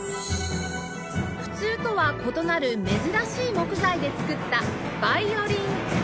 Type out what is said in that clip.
普通とは異なる珍しい木材で作ったヴァイオリン